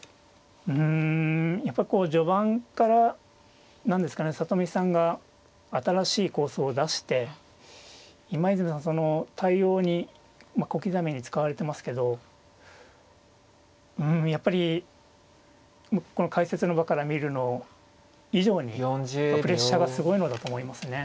うんやっぱりこう序盤から何ですかね里見さんが新しい構想を出して今泉さんその対応に小刻みに使われてますけどうんやっぱりこの解説の場から見るの以上にプレッシャーがすごいのだと思いますね。